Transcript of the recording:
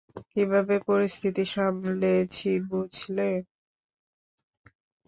কীভাবে পরিস্থিতি সামলেছি বুঝলে?